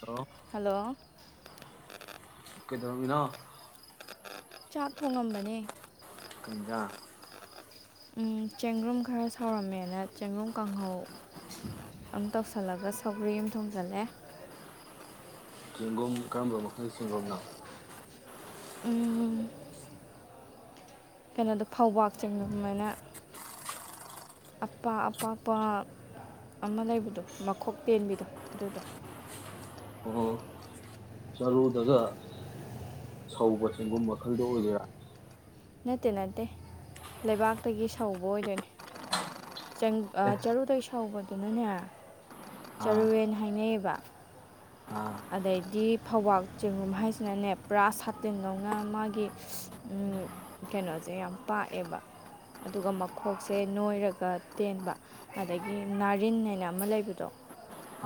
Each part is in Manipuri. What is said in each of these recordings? ꯍꯜꯂꯣ ꯍꯂꯣ ꯀꯩꯗꯧꯔꯝꯃꯤꯅ ꯆꯥꯛ ꯊꯣꯡꯉꯝꯕꯅꯦ ꯀꯨꯖꯥ ꯆꯦꯡꯒ꯭ꯔꯨꯝ ꯈꯔ ꯁꯥꯎꯔꯝꯃꯦꯅ ꯆꯦꯡꯒꯨꯝ ꯀꯥꯡꯍꯧ ꯑꯃ ꯇꯧꯁꯤꯜꯂꯒ ꯁꯒ꯭ꯔꯤ ꯑꯃ ꯊꯣꯡꯖꯤꯜꯂꯦ ꯆꯦꯡꯒꯣꯝ ꯀꯔꯝꯕ ꯃꯈꯜꯒꯤ ꯆꯦꯡꯒꯣꯝꯅꯣ ꯎꯝ ꯀꯩꯅꯣꯗꯣ ꯐꯧꯕꯥꯛ ꯆꯦꯡꯕ ꯑꯗꯨꯃꯥꯏꯅ ꯑꯄꯥꯛ ꯑꯄꯥꯛꯄ ꯑꯃ ꯂꯩꯕꯗꯣ ꯃꯈꯣꯛ ꯇꯦꯟꯕꯤꯗꯣ ꯑꯗꯨꯗꯣ ꯑꯣ ꯆꯔꯨꯗꯒ ꯁꯧꯕ ꯆꯦꯡꯒꯨꯝ ꯃꯈꯜꯗꯣ ꯑꯣꯏꯒꯔꯥ ꯅꯠꯇꯦ ꯅꯠꯇꯦ ꯂꯩꯕꯥꯛꯇꯒꯤ ꯁꯧꯕ ꯑꯣꯏꯗꯣꯏꯅꯤ ꯆꯪ ꯑꯦ ꯆꯔꯨꯗꯩꯁ ꯊꯧꯕꯗꯨꯅꯅꯦ ꯑꯥ ꯆꯔꯨꯔꯋꯦꯟ ꯍꯥꯏꯅꯩꯌꯦꯕ ꯑꯥ ꯑꯗꯩꯗꯤ ꯐꯧꯋꯥꯛ ꯆꯦꯡꯒꯨꯝ ꯍꯥꯏꯁꯤꯅꯅꯦ ꯄꯨꯔꯥ ꯁꯥꯇꯤꯟꯗꯧꯅ ꯃꯥꯒꯤ ꯀꯩꯅꯣꯁꯦ ꯌꯥꯝ ꯄꯥꯛꯑꯦꯕ ꯑꯗꯨꯒ ꯃꯈꯣꯛꯁꯦ ꯅꯣꯏꯔꯒ ꯇꯦꯟꯕ ꯑꯗꯒꯤ ꯅꯥꯔꯤꯟ ꯍꯥꯏꯅ ꯑꯃ ꯂꯩꯕꯗꯣ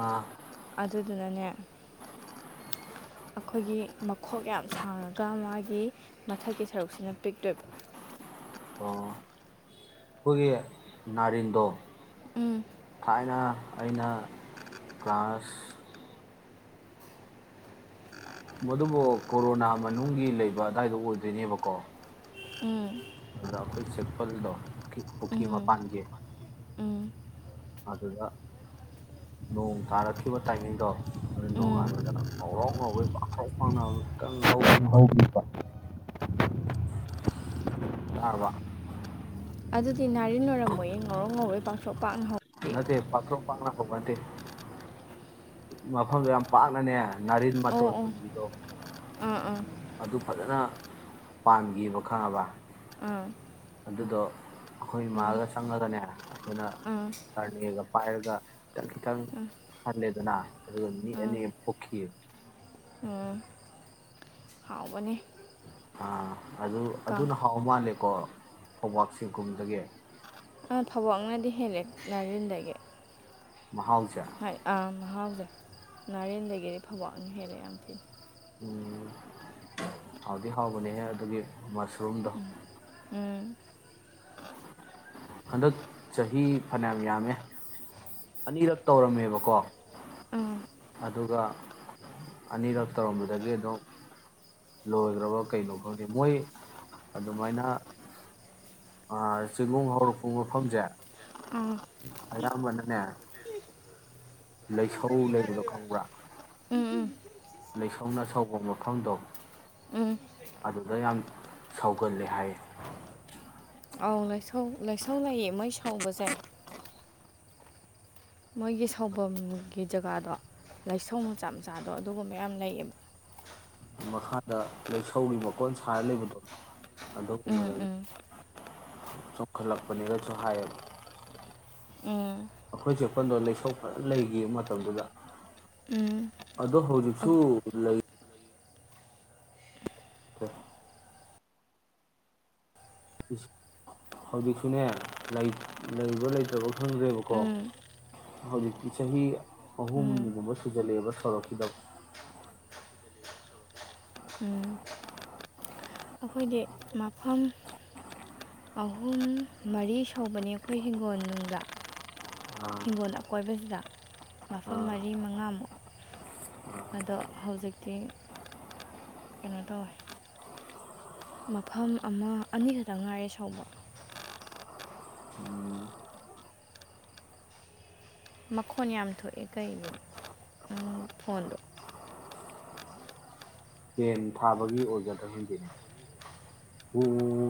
ꯑꯥ ꯑꯗꯨꯗꯨꯅꯅꯦ ꯑꯩꯈꯣꯏꯒꯤ ꯃꯈꯣꯛ ꯌꯥꯝ ꯁꯥꯡꯉꯒ ꯃꯥꯒꯤ ꯃꯊꯛꯀꯤ ꯁꯔꯨꯛꯁꯤꯅ ꯄꯤꯛꯇꯣꯏꯕ ꯑꯣ ꯔꯤꯗꯣ ꯎꯝ ꯑꯩꯅ ꯀ꯭ꯂꯥꯁ ꯃꯗꯨꯕꯨ ꯀꯣꯔꯣꯅꯥ ꯃꯅꯨꯡꯒꯤ ꯂꯩꯕ ꯑꯗꯨꯗꯥꯏꯗ ꯑꯣꯏꯗꯣꯏꯅꯦꯕꯀꯣ ꯎꯝ ꯔꯥꯐꯦꯦꯜ ꯆꯦꯞꯄꯜꯗꯣ ꯄꯨ ꯄꯨꯈ꯭ꯔꯤ ꯃꯄꯥꯟꯒꯤ ꯑꯗꯨꯗ ꯅꯣꯡ ꯇꯥꯔꯛꯈꯤꯕ ꯇꯥꯏꯃꯤꯡꯗꯣ ꯑꯗꯨ ꯎꯝ ꯅꯣꯡꯉꯥꯟꯕꯗ ꯉꯧꯔꯥꯎ ꯉꯧꯧꯕꯩ ꯄꯥꯛꯐꯥꯎ ꯐꯥꯎꯅꯕ ꯀꯪꯍꯧꯈꯤꯕ ꯍꯧꯈꯤꯕ ꯑꯕ ꯑꯗꯨꯗꯤ ꯅꯥꯔꯤꯟ ꯑꯣꯏꯔꯝꯃꯣꯏꯌꯦ ꯉꯧꯔꯧ ꯉꯧꯔꯣꯏ ꯄꯥꯛꯊꯣꯛ ꯄꯥꯛꯅ ꯍꯧꯦ ꯅ ꯄꯥꯊ꯭ꯔ ꯄꯥꯡꯅꯥ ꯍꯕꯗꯤ ꯃꯐꯝꯗꯨ ꯌꯥꯝ ꯄꯥꯛꯅꯅꯦ ꯉꯥꯔꯤꯟ ꯑꯣ ꯃꯇꯣꯟ ꯑꯣ ꯇꯣꯡꯕꯤꯗꯣ ꯑꯥ ꯑꯥ ꯑꯗꯨ ꯐꯖꯅ ꯄꯥꯥꯟꯕ ꯈꯪꯉꯕ ꯑꯥ ꯑꯗꯨꯗꯣ ꯑꯩꯈꯣꯏ ꯏꯃꯥꯒ ꯆꯪꯉꯒꯅꯦ ꯑꯩꯈꯣꯏꯅ ꯈꯔꯅꯦꯒ ꯄꯥꯏꯔꯒ ꯈꯤꯇꯪ ꯈꯤꯇꯪ ꯍꯜꯂꯦꯗꯅ ꯑꯗꯨꯒ ꯃꯤ ꯑꯅꯤ ꯄꯣꯛꯈꯤꯑ ꯍꯥꯎꯕꯅꯤ ꯑꯥ ꯑꯗꯨ ꯑꯗꯨꯅ ꯍꯥꯎ ꯃꯥꯜꯂꯦꯀꯣ ꯐꯧꯕꯥꯛꯁꯤꯒꯨꯝꯗꯒꯤ ꯊꯕꯛꯅꯗꯤ ꯍꯦꯜꯂꯦ ꯥꯏꯔꯤꯦꯟꯗꯒꯤ ꯃꯍꯥꯎꯁꯦ ꯍꯥꯏ ꯑꯥ ꯃꯍꯥꯎꯖꯦ ꯅꯥꯔꯦꯟꯗꯒꯤꯗꯤ ꯐꯕꯥꯛ ꯑꯅꯤ ꯍꯦꯜꯂꯦ ꯌꯥꯝ ꯊꯤꯅ ꯎꯝ ꯍꯥꯎꯗꯤ ꯍꯥꯎꯕꯅꯦꯍꯦ ꯑꯗꯨꯒꯤ ꯃꯁꯔꯨꯝꯗꯣ ꯎꯝ ꯍꯟꯗꯛ ꯆꯍꯤ ꯐꯅꯌꯥꯝ ꯌꯥꯝꯃꯦ ꯑꯅꯤꯔꯛ ꯇꯧꯔꯝꯃꯦꯕꯀꯣ ꯎꯝ ꯑꯗꯨꯒ ꯑꯅꯤꯔꯛ ꯇꯧꯔꯝꯕꯗꯒꯤ ꯑꯗꯨꯝ ꯂꯣꯏꯈ꯭ꯔꯕ ꯀꯩꯅꯣ ꯈꯪꯅꯤ ꯃꯣꯏ ꯑꯗꯨꯃꯥꯏꯅ ꯆꯤꯡꯒꯣꯡ ꯍꯧꯔꯛꯄ ꯃꯐꯝꯁꯦ ꯎꯝ ꯑꯕꯅꯅꯦꯦ ꯂꯩꯁꯧ ꯂꯩꯕꯗꯣ ꯈꯪꯕ꯭ꯔꯥ ꯎꯝ ꯎꯝ ꯂꯩꯁꯧꯅ ꯁꯧꯕ ꯃꯐꯝꯗꯣ ꯎꯝ ꯑꯗꯨꯗ ꯌꯥꯝ ꯁꯧꯒꯜꯂꯦ ꯍꯥꯏꯌꯦ ꯑꯥꯎ ꯂꯥꯏꯁꯥꯎ ꯂꯥꯏꯁꯥꯎ ꯂꯩꯌꯦ ꯃꯩ ꯁꯥꯎꯕꯁꯦ ꯃꯣꯏꯒꯤ ꯁꯥꯎꯐꯝꯝꯒꯤ ꯖꯒꯥꯗꯣ ꯂꯥꯏꯁꯪ ꯃꯆꯥ ꯃꯆꯥꯗꯣ ꯑꯗꯨꯒꯨꯝꯕꯌꯥꯝ ꯂꯩꯌꯦꯕ ꯃꯈꯥꯗ ꯂꯩꯁꯧꯔꯤ ꯃꯀꯣꯟ ꯁꯥꯔ ꯂꯩꯕꯗꯣ ꯎꯝ ꯎꯝ ꯆꯣꯡꯈꯠꯂꯛꯄꯅꯤꯅꯁꯨ ꯍꯥꯏꯌꯦꯕ ꯎꯝ ꯑꯩꯈꯣꯏ ꯆꯦꯛꯄꯜꯗꯣ ꯂꯩꯁꯣꯛꯄ ꯂꯩꯈꯤ ꯃꯇꯝꯗꯨꯗ ꯎꯝ ꯑꯗꯣ ꯍꯧꯖꯤꯛꯁꯨ ꯑꯧ ꯂꯩ ꯍꯧꯖꯤꯛꯁꯨꯅꯦ ꯂꯩꯕ ꯂꯩꯇꯕ ꯈꯪꯗ꯭ꯔꯦꯕꯀꯣ ꯎꯝ ꯍꯧꯖꯤꯛꯇꯤ ꯆꯍꯤ ꯎꯝ ꯑꯍꯨꯝꯒꯨꯝꯕ ꯁꯨꯖꯜꯂꯛꯑꯦꯕ ꯁꯣꯔꯛꯈꯤꯗꯕ ꯑꯩꯈꯣꯏꯗꯤ ꯃꯐꯝ ꯑꯍꯨꯝ ꯃꯔꯤ ꯁꯧꯕꯅꯤ ꯑꯩꯈꯣꯏ ꯍꯤꯡꯒꯣꯜꯅꯨꯡꯗ ꯍꯤꯡꯒꯣꯜ ꯑꯀꯣꯏꯕꯁꯤꯗ ꯃꯐꯝ ꯃꯔꯤ ꯃꯉꯥꯃꯨꯛ ꯑꯗꯣ ꯍꯧꯖꯤꯛꯇꯤ ꯀꯩꯅꯣ ꯇꯧꯋꯦ ꯃꯐꯝ ꯑꯃ ꯑꯅꯤꯈꯛꯇꯪ ꯉꯥꯏꯔꯦ ꯁꯥꯎꯕ ꯃꯈꯣꯟ ꯌꯥꯝ ꯊꯣꯛꯑꯦ ꯀꯩꯒꯤꯅꯣ ꯅꯪ ꯐꯣꯟꯗꯣ ꯍꯦꯟ ꯊꯥꯕꯒꯤ ꯑꯣꯔꯖꯔꯗ ꯍꯧꯖꯤꯔꯦ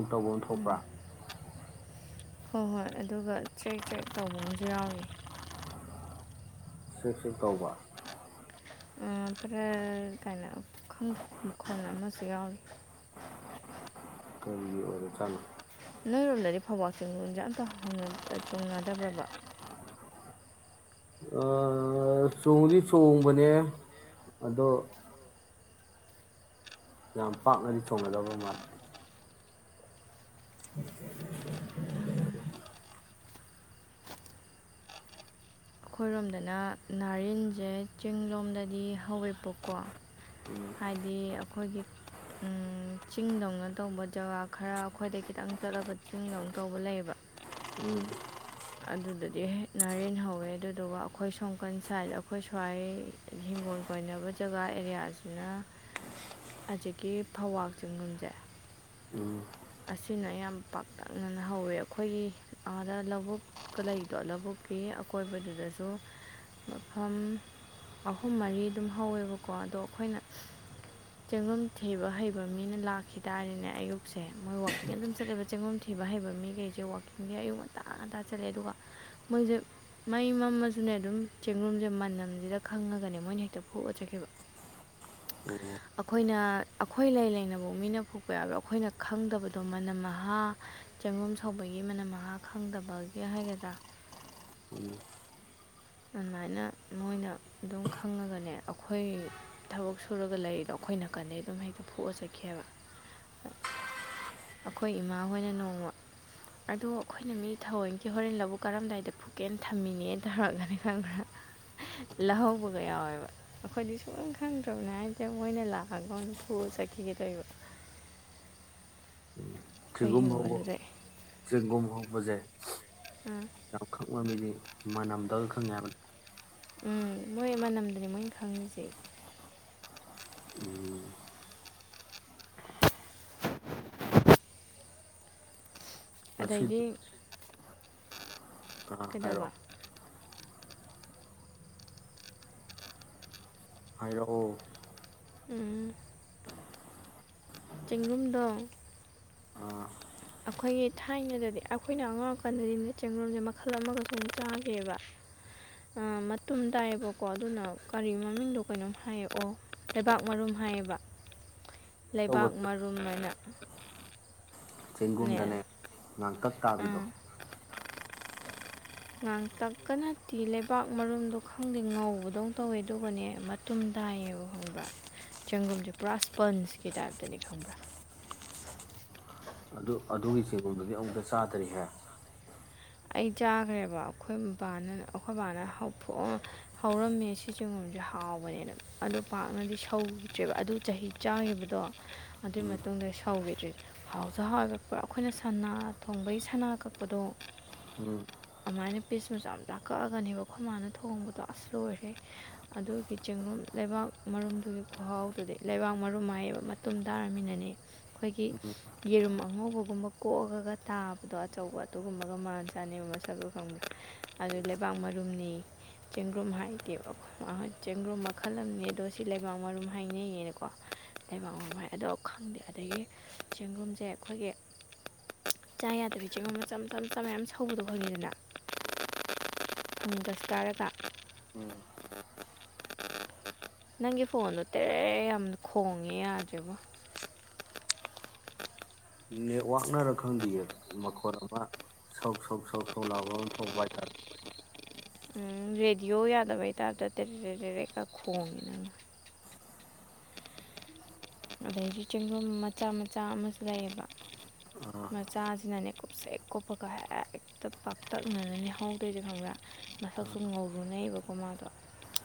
ꯇꯧꯕ ꯑꯃ ꯊꯣꯛꯄ꯭ꯔꯥ ꯎꯝ ꯍꯣꯏ ꯍꯣꯏ ꯑꯗꯨꯒ ꯆꯦꯛ ꯆꯦꯛ ꯇꯧꯕ ꯑꯃꯁꯝꯨ ꯌꯥꯎꯏ ꯁꯤ ꯁ ꯇꯧꯕ ꯐꯔ ꯀꯥꯏꯅ ꯃꯈꯣꯟ ꯑꯃꯁꯨ ꯌꯥꯎꯔꯤ ꯑꯗꯨ ꯀꯅꯣ ꯅꯣꯏꯔꯣꯝꯗꯗꯤ ꯐꯧꯕꯥꯛ ꯆꯤꯡ ꯂꯣꯟꯁꯦ ꯑꯝꯇ ꯆꯣꯡꯅꯗꯕ꯭ꯔꯕ ꯑꯥ ꯆꯣꯡꯗꯤ ꯆꯣꯡꯕꯅꯦ ꯑꯗꯣ ꯌꯥꯝ ꯄꯥꯛꯅꯗꯤ ꯊꯣꯡꯒꯗꯕ ꯃꯥꯜꯜꯂꯤ ꯑꯩꯈꯣꯏꯔꯣꯝꯗꯅ ꯅꯥꯔꯤꯟꯁꯦ ꯆꯤꯡ ꯂꯣꯝꯗꯗꯤ ꯍꯋꯏꯄꯣꯛꯀꯣ ꯍꯥꯏꯗꯤ ꯑꯩꯈꯣꯏꯒꯤ ꯆꯤꯡꯗꯧꯅ ꯇꯧꯕ ꯖꯒꯥ ꯈꯔ ꯑꯩꯈꯣꯏꯗ ꯈꯤꯇꯪ ꯆꯠꯂꯒ ꯆꯤꯡꯗꯧꯅ ꯇꯧꯕ ꯂꯩꯌꯦꯕ ꯑꯗꯨꯗꯗꯤ ꯍꯦꯛ ꯔꯦꯟ ꯍꯧꯋꯦ ꯑꯗꯨꯗꯨꯒ ꯑꯩꯈꯣꯏ ꯁꯣꯝꯀꯟ ꯁꯥꯏꯗ ꯑꯩꯈꯣꯏ ꯁ꯭ꯋꯥꯏ ꯍꯤꯡꯒꯣꯜ ꯀꯣꯏꯅꯕ ꯖꯒꯥ ꯑꯦꯔꯤꯌꯥꯁꯤꯅ ꯍꯧꯖꯤꯛꯀꯤ ꯐꯋꯥꯛ ꯆꯤꯡꯒꯨꯝꯁꯦ ꯑꯁꯤꯅ ꯌꯥꯝ ꯄꯥꯛꯇꯛꯅꯅ ꯍꯧꯋꯦ ꯑꯩꯈꯣꯏꯒꯤ ꯑꯥꯗ ꯂꯧꯕꯨꯛꯀ ꯂꯩꯗꯣ ꯂꯧꯕꯨꯛꯀꯤ ꯑꯀꯣꯏꯕꯗꯨꯗꯁꯨ ꯃꯐꯝ ꯑꯍꯨꯝ ꯃꯔꯤ ꯑꯗꯨꯝ ꯍꯧꯋꯦꯕꯀꯣ ꯑꯗꯣ ꯑꯩꯈꯣꯏꯅ ꯆꯦꯡꯒꯨꯝ ꯊꯤꯕ ꯍꯩꯕ ꯃꯤꯅ ꯂꯥꯛꯈꯤ ꯇꯥꯔꯦꯅꯦ ꯑꯌꯨꯛꯁꯦ ꯁꯦ ꯃꯣꯏ ꯋꯥꯋꯥꯛꯀꯤꯡ ꯑꯗꯨꯝ ꯆꯠꯂꯦꯕ ꯆꯦꯡꯒꯨꯝ ꯊꯤꯕ ꯍꯩꯕ ꯃꯤꯈꯩꯁꯦ ꯋꯥꯋꯥꯛꯀꯤꯡꯁꯦ ꯑꯌꯨꯛ ꯉꯟꯇꯥ ꯉꯟꯇꯥ ꯆꯠꯂꯦ ꯑꯗꯨꯒ ꯃꯣꯏꯁꯦ ꯃꯩ ꯃꯝꯃꯁꯨꯅꯦ ꯑꯗꯨꯝ ꯆꯦꯡꯡꯂꯨꯝꯁꯦ ꯃꯅꯝꯁꯤꯗ ꯈꯪꯉꯒꯅꯦ ꯃꯣꯏꯅ ꯍꯦꯛꯇ ꯐꯨꯑꯆꯈꯤꯕ ꯑꯣ ꯑꯩꯈꯣꯏꯅ ꯑꯩꯈꯣꯏ ꯂꯩ ꯂꯩꯅꯕ ꯃꯤꯅ ꯐꯨꯄ ꯌꯥꯕ꯭ꯔꯣ ꯑꯩꯈꯣꯏꯅ ꯈꯪꯗꯕꯗꯣ ꯃꯅꯝ ꯃꯍꯍꯥ ꯆꯪꯉꯣꯝ ꯁꯧꯕꯒꯤ ꯃꯅꯝ ꯃꯍꯍꯥ ꯈꯪꯗꯕꯒꯤ ꯍꯥꯏꯒꯗ꯭ꯔꯥ ꯑꯗꯨꯃꯥꯏꯅ ꯃꯣꯏꯅ ꯑꯗꯨꯝ ꯈꯪꯉꯒꯅꯦ ꯑꯩꯈꯣꯏ ꯊꯕꯛ ꯁꯨꯔꯒ ꯂꯩꯔꯤꯗꯣ ꯑꯩꯈꯣꯏ ꯅꯥꯀꯟꯗꯩ ꯑꯗꯨꯝ ꯍꯦꯛꯇ ꯐꯨꯑ ꯆꯠꯈꯤꯑꯕ ꯑꯩꯈꯣꯏ ꯏꯃꯥ ꯍꯣꯏꯅ ꯅꯣꯡꯃ ꯑꯗꯣ ꯑꯩꯈꯣꯏꯅ ꯃꯤ ꯊꯑꯣꯏꯒꯤ ꯍꯣꯔꯦꯟ ꯂꯕꯨ ꯀꯔꯝꯗꯥꯏꯗ ꯐꯨꯀꯦꯅ ꯊꯝꯃꯤꯅꯦꯅ ꯇꯧꯔꯛꯒꯅꯤ ꯈꯪꯕ꯭ꯔꯥ ꯂꯧꯍꯧꯕꯒ ꯌꯥꯎꯋꯦꯕ ꯑꯩꯈꯣꯏꯗꯤ ꯁꯨꯡ ꯈꯪꯗ꯭ꯔꯕꯅꯤ ꯍꯥꯏꯗꯤꯦ ꯃꯣꯏꯅ ꯂꯥꯛꯑꯒ ꯐꯨ ꯆꯠꯈꯤꯒꯦꯗꯣꯏꯕ ꯀꯒꯨꯝ ꯍꯕ ꯀꯒꯨꯝ ꯍꯕꯖ ꯑꯥ ꯌꯥꯝꯈꯛ ꯉꯝꯃꯤꯗꯤ ꯃꯅꯝꯗꯒ ꯈꯪꯉꯦ ꯍꯥꯏꯕꯅꯤ ꯎꯝ ꯃꯣꯏ ꯃꯅꯝꯗꯨꯅꯤ ꯃꯣꯏ ꯈꯪꯉꯤꯁꯦ ꯑꯗꯩꯗꯤ ꯉꯁꯤꯗꯤ ꯑꯥ ꯀꯣꯏꯗꯕꯥ ꯍꯥꯏꯔꯛꯑꯣ ꯍꯥꯏꯔꯛꯑꯣ ꯎꯝ ꯆꯦꯡꯒꯨꯝꯗ ꯑꯩꯈꯣꯏꯒꯤ ꯊꯥꯏꯅꯗꯗꯤ ꯑꯩꯈꯣꯏꯅ ꯑꯉꯥꯡꯀꯥꯟꯗꯗꯤ ꯆꯦꯡꯡꯂꯨꯝꯁꯦ ꯃꯈꯜ ꯑꯃꯒ ꯁꯨꯝ ꯆꯥꯒꯦꯕ ꯃꯇꯨꯝ ꯇꯥꯏꯌꯦꯕꯀꯣ ꯑꯗꯨꯅ ꯀꯔꯤ ꯃꯃꯤꯡꯗꯣ ꯀꯩꯅꯣꯝ ꯍꯥꯏꯑꯣ ꯂꯩꯕꯥꯛ ꯃꯔꯨꯝ ꯍꯥꯏꯌꯦꯕ ꯇꯧꯕ ꯂꯩꯕꯥꯛ ꯃꯔꯨꯝ ꯍꯥꯏꯅ ꯑ ꯆꯦꯡꯒꯨꯝꯗꯅꯦ ꯉꯥꯡꯇꯛ ꯇꯥꯕꯤꯗꯣ ꯉꯥꯡꯇꯛꯀꯅꯗꯤ ꯂꯩꯕꯥꯛ ꯃꯔꯨꯝꯗꯣ ꯈꯪꯗꯦ ꯉꯧꯕꯗꯧ ꯇꯧꯋꯦ ꯑꯗꯨꯒꯅꯦ ꯃꯇꯨꯝ ꯇꯥꯏꯌꯦꯕ ꯈꯪꯕ꯭ꯔꯥ ꯆꯦꯡꯒꯨꯝꯁꯦ ꯄꯨꯔꯥ ꯏꯁꯄꯟꯁꯀꯤ ꯇꯥꯏꯞꯇꯅꯤ ꯈꯪꯕ꯭ꯔꯥ ꯑꯗꯨ ꯑꯗꯨꯒꯤ ꯆꯦꯒꯣꯜꯗꯨꯗꯤ ꯑꯃꯨꯛꯇ ꯆꯥꯗꯔꯤꯍꯦ ꯑꯩ ꯆꯥꯈ꯭ꯔꯦꯕ ꯑꯩꯈꯣꯏ ꯕꯥꯅ ꯑꯩꯈꯣꯏ ꯕꯥꯅꯊꯑ ꯍꯧꯔꯝꯃꯦ ꯁꯤ ꯆꯤꯡꯒꯣꯝꯁꯦ ꯍꯥꯎꯕꯅꯦꯅ ꯑꯗꯨ ꯄꯥꯛꯅꯗꯤ ꯁꯧꯈꯤꯗ꯭ꯔꯦꯕ ꯑꯗꯨ ꯆꯍꯤ ꯆꯥꯈꯤꯕꯗꯣ ꯑꯗꯨꯒꯤ ꯃꯇꯨꯡꯗ ꯁꯧꯈꯤꯗ꯭ꯔꯔꯤ ꯍꯥꯎꯁꯨ ꯍꯥꯎ ꯀꯛꯄ꯭ꯔꯥ ꯑꯩꯈꯣꯏꯅ ꯁꯅꯥ ꯊꯣꯡꯕꯒꯤ ꯁꯅꯥ ꯀꯛꯄꯗꯣ ꯑꯗꯨꯃꯥꯏꯅ ꯄꯤꯁꯃꯁꯨ ꯌꯥꯝ ꯇꯥꯛ ꯀꯛꯑꯒꯅꯦꯕ ꯈ ꯃꯥꯅ ꯊꯣꯡꯕꯗꯣ ꯑꯁ ꯂꯣꯏꯔꯦ ꯑꯗꯨꯒꯤ ꯆꯦꯡꯡꯂꯨꯝ ꯂꯩꯕꯥꯛ ꯃꯔꯨꯝꯗꯨꯒꯤ ꯈꯨꯍꯥꯎꯗꯨꯗꯤ ꯂꯩꯕꯥꯛ ꯃꯔꯨꯝ ꯍꯥꯏꯌꯦꯕ ꯃꯇꯨꯝ ꯇꯥꯔꯃꯤꯅꯅꯦ ꯑꯩꯈꯣꯏꯒꯤ ꯌꯦꯔꯨꯝ ꯑꯉꯧꯕꯒꯨꯝꯕ ꯀꯣꯛꯑꯒ ꯇꯥꯕꯗꯣ ꯑꯆꯧꯕ ꯑꯗꯨ ꯑꯗꯨꯒꯒꯨꯝꯕꯒ ꯃꯥꯜ ꯆꯥꯅꯕ ꯃꯁꯛꯒ ꯈꯪꯕ ꯑꯗꯨ ꯂꯩꯕꯥꯛ ꯃꯔꯨꯝꯅꯤ ꯆꯦꯡꯒ꯭ꯔꯨꯝ ꯍꯥꯏꯗꯤ ꯆꯦꯡꯒ꯭ꯔꯨꯝ ꯃꯈꯜ ꯑꯃ ꯑꯗꯣ ꯁꯤ ꯂꯩꯕꯥꯛ ꯃꯔꯨꯝ ꯍꯥꯏꯅꯩꯌꯦꯅꯀꯣ ꯂꯩꯕꯥꯛ ꯃꯔꯨꯝ ꯍꯥꯏ ꯑꯗꯣ ꯈꯪꯗꯦ ꯑꯗꯒꯤ ꯆꯦꯡꯒ꯭ꯔꯨꯝꯁꯦ ꯑꯩꯈꯣꯏꯒꯤ ꯆꯥ ꯌꯥꯗꯕ ꯆꯦꯡꯒꯨꯝ ꯃꯆꯝ ꯆꯝ ꯆ ꯃꯌꯥꯝ ꯁꯧꯕꯗꯣ ꯐꯪꯉꯤꯗꯅ ꯐꯪꯒꯁ ꯀꯥꯔꯒ ꯅꯪꯒꯤ ꯐꯣꯟꯗꯣꯇꯦ ꯌꯥꯝꯅ ꯈꯣꯡꯉꯦ ꯌꯥꯗ꯭ꯦꯕ ꯅꯦꯠꯋꯥꯛꯅꯔ ꯈꯪꯗꯌꯦ ꯃꯈꯣꯠ ꯑꯃ ꯁꯛ ꯁꯛ ꯁꯧ ꯁꯧ ꯂꯥꯎ ꯑꯃ ꯊꯣꯛꯄ ꯍꯥꯏꯇꯥꯔꯦ ꯎ ꯔꯦꯗꯤꯑꯣ ꯌꯥꯗꯕ ꯍꯥꯏꯇꯥꯥꯔꯗꯤ ꯇꯦꯔꯦ ꯇꯦꯔꯦ ꯇꯦꯔꯦꯀ ꯈꯣꯡꯉꯦ ꯅꯪ ꯑꯗꯩꯗꯤ ꯆꯦꯡꯒꯨꯝ ꯃꯆꯥ ꯃꯆꯥ ꯑꯃꯁꯨ ꯂꯩꯌꯦꯕ ꯃꯆꯥꯁꯤꯅꯅꯦ ꯀꯨꯞꯁꯦ ꯀꯨꯞꯄꯒ ꯍꯦꯛꯇ ꯄꯥꯛꯇꯛꯅꯅ ꯅꯍꯧꯗꯣꯏꯁꯦ ꯈꯪꯕ꯭ꯔꯥ ꯃꯁꯛꯁꯨ ꯉꯧꯔꯨꯅꯩꯕꯀꯣ ꯃꯥꯗꯣ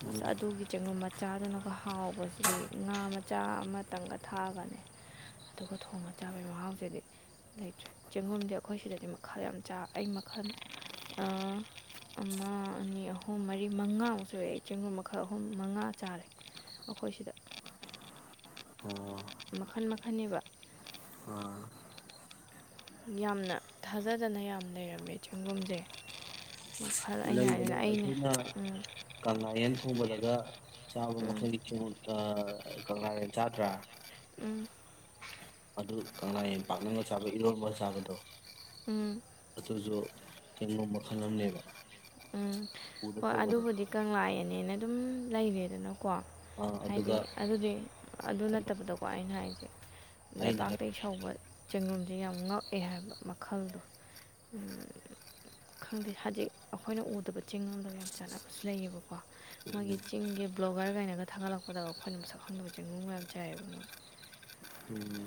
ꯑꯁ ꯑꯗꯨꯒꯤ ꯆꯦꯡꯒꯨꯝ ꯃꯆꯥꯗꯨꯅꯒ ꯍꯥꯎꯕꯁꯤꯗꯤ ꯉꯥ ꯃꯆꯥ ꯑꯃ ꯇꯪꯒ ꯊꯥꯛꯒꯅꯤ ꯑꯗꯨꯒ ꯊꯣꯡꯒ ꯆꯥꯕꯩ ꯃꯍꯥꯎꯁꯤꯗꯤ ꯂꯩꯇ꯭ꯔꯦ ꯆꯦꯡꯒꯨꯝꯗꯤ ꯑꯩꯈꯣꯏ ꯁꯤꯗꯗꯤ ꯃꯈꯜ ꯌꯥꯝ ꯆꯥ ꯑꯩ ꯃꯈꯜ ꯑꯃ ꯑꯅꯤ ꯑꯍꯨꯝ ꯃꯔꯤ ꯃꯉꯥꯃꯨꯛ ꯁꯨꯨꯔ ꯑꯩ ꯆꯦꯡꯒꯨꯝ ꯃꯈꯜ ꯑꯍꯨꯝ ꯃꯉꯥ ꯆꯥꯔꯦ ꯑꯩꯈꯣꯏ ꯁꯤꯗ ꯃꯈꯜ ꯃꯈꯜꯅꯦꯕ ꯌꯥꯝꯅ ꯊꯥꯖꯗꯅ ꯌꯥꯝ ꯂꯩꯔꯝꯃꯦ ꯆꯦꯡꯒꯨꯝꯁꯦ ꯃꯈꯜ ꯑꯩꯅ ꯂꯩꯕꯅꯦ ꯍꯥꯏꯗꯅ ꯑꯩꯅ ꯑꯩꯈꯣꯏꯅ ꯎꯝ ꯀꯪꯂꯅꯥꯌꯦꯟ ꯍꯣꯡꯕꯗꯒ ꯆꯥ ꯃꯁ ꯏꯠꯇ ꯀꯪꯂꯥꯗ ꯆꯥꯗ꯭ꯔꯥ ꯎꯝ ꯑꯗꯨ ꯀꯪꯂꯥ ꯌꯥꯝꯄꯥꯛꯥꯛꯅꯒ ꯆꯕ ꯏꯔꯣꯟꯕ ꯆꯥꯕꯗꯣ ꯎꯝ ꯀꯩꯅꯣ ꯃꯈꯜ ꯑꯃꯅꯦꯕ ꯎꯝ ꯎꯗ ꯍꯣꯏ ꯍꯧꯕꯗꯣ ꯑꯗꯨꯕꯨꯗꯤ ꯀꯪꯂꯥꯏꯑꯅꯦꯅ ꯑꯗꯨꯝ ꯂꯩꯔꯦꯗꯅ ꯀꯣ ꯍꯥꯏꯗꯤ ꯑꯗꯨꯒ ꯑꯗꯨꯗꯤ ꯑꯗꯨ ꯅꯠꯇꯕꯗꯀꯣ ꯑꯩꯅ ꯍꯥꯏꯁꯦ ꯑꯩꯅ ꯍꯥꯏ ꯂꯩꯕꯥꯛꯇ ꯁꯧꯕ ꯆꯦꯡꯒꯣꯝꯁꯦ ꯌꯥꯝ ꯉꯛꯑꯦ ꯍꯥꯏꯕ ꯃꯈꯜꯗꯣ ꯈꯪꯗꯦ ꯍꯧꯖꯤꯛ ꯑꯩꯈꯣꯏꯅ ꯎꯗꯕ ꯆꯤꯡꯒꯨꯝꯗꯒ ꯌꯥꯝ ꯆꯥꯟꯅꯕꯁꯨ ꯂꯩꯌꯦꯕꯀꯣ ꯃꯣꯏꯒꯤ ꯎꯝ ꯆꯤꯡꯒꯤ ꯕ꯭ꯂꯣꯒꯔꯒꯥꯏꯅꯒ ꯊꯥꯒꯠꯂꯛꯄꯗ ꯑꯩꯈꯣꯏꯅ ꯃꯁꯛ ꯈꯪꯗꯕ ꯆꯦꯡꯉꯨꯝꯒ ꯌꯥꯝ ꯆꯥꯏꯌꯦꯕ ꯃꯣꯏ ꯎꯝ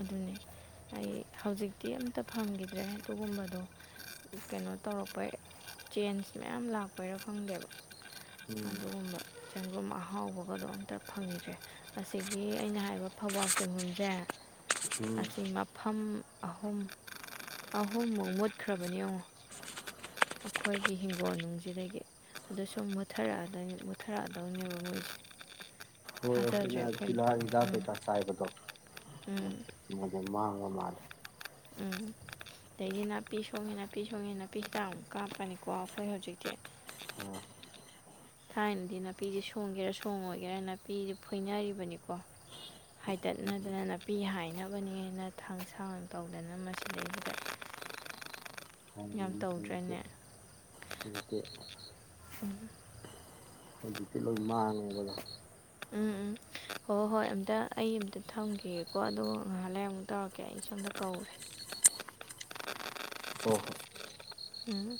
ꯑꯗꯨꯅꯤ ꯑꯩ ꯍꯧꯖꯤꯛꯇꯤ ꯑꯝꯇ ꯐꯪꯈꯤꯗ꯭ꯔꯦ ꯑꯗꯨꯒꯨꯝꯕꯗꯣ ꯀꯩꯅꯣ ꯇꯧꯔꯛꯄ ꯆꯦꯟꯖ ꯃꯌꯥꯝ ꯂꯥꯛꯄꯩꯔꯥ ꯐꯪꯗꯦꯕ ꯎꯝ ꯑꯗꯨꯒꯨꯝꯕ ꯆꯦꯡꯒꯨꯝ ꯑꯍꯥꯎꯕꯒꯗꯣ ꯑꯝꯇ ꯐꯪꯈꯤꯗ꯭ꯔꯦ ꯑꯁꯤꯒꯤ ꯑꯩꯅ ꯍꯥꯏꯔꯤꯕ ꯐꯧꯕꯥꯛ ꯆꯦꯡꯒꯨꯝꯁꯦ ꯎꯝ ꯑꯁꯤ ꯃꯐꯝ ꯑꯍꯨꯝ ꯑꯍꯨꯝꯃꯨꯛ ꯃꯨꯠꯈ꯭ꯔꯕꯅꯤ ꯌꯦꯡꯉꯣ ꯑꯩꯈꯣꯏꯒꯤ ꯍꯤꯡꯒꯣꯜ ꯅꯨꯡꯁꯤꯗꯒꯤ ꯑꯗꯨ ꯁꯨꯝ ꯃꯨꯠꯊꯔꯛꯑ ꯃꯨꯠꯊꯔꯛꯑꯗꯧꯅꯦꯕ ꯃꯣꯏꯁꯦ ꯦꯕ ꯊꯥꯖꯗ꯭ꯔꯦ ꯑꯩꯈꯣꯏꯅ ꯎꯝ ꯎꯝ ꯃꯖ ꯍꯥꯡꯕ ꯃꯥꯂꯦ ꯑꯗꯒꯤ ꯅꯥꯄꯤ ꯁꯣꯡꯉꯦ ꯅꯥꯄꯤ ꯁꯣꯡꯉꯦ ꯅꯥꯄꯤ ꯍꯤꯗꯥꯛ ꯑꯃꯨꯛ ꯀꯥꯞꯄꯅꯤꯀꯣ ꯑꯩꯈꯣꯏ ꯍꯧꯖꯤꯛꯇꯤ ꯊꯥꯏꯅꯗꯤ ꯅꯥꯄꯤꯁꯦ ꯁꯣꯡꯒꯦꯔꯥ ꯁꯣꯡꯉꯣꯏꯒꯦꯔꯥ ꯅꯥꯄꯤꯁꯦ ꯐꯣꯏꯅꯔꯤꯕꯅꯤꯀꯣ ꯍꯥꯏꯗꯠꯅꯗꯅ ꯅꯥꯄꯤ ꯍꯥꯏꯅꯕꯅꯦꯅ ꯊꯥꯡ ꯁꯥꯡ ꯇꯧꯗꯅ ꯃꯁꯤꯗꯩꯁꯤꯗ ꯌꯥꯝ ꯍꯧꯖꯤꯛꯇꯤ ꯇꯧꯗ꯭ꯔꯅꯦ ꯎ ꯍꯧꯖꯤꯛꯇꯤ ꯂꯣꯏ ꯃꯥꯡꯉꯨꯕꯗꯣ ꯎꯝ ꯎꯝ ꯍꯣꯏ ꯍꯣꯏ ꯑꯝꯇ ꯑꯩ ꯑꯃꯝꯇ ꯊꯝꯈꯤꯦꯀꯣ ꯑꯗꯨꯒ ꯉꯥꯏꯍꯥꯛ ꯂꯩꯔꯡꯃꯨꯛ ꯇꯧꯔꯛꯀꯦ ꯑꯩ ꯁꯣꯝꯗ ꯀꯧꯔꯦ ꯍꯣ ꯍꯣꯏ ꯎꯝ